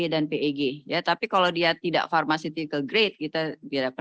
contoh dari cari pom apakah bisa he carib widearmed pom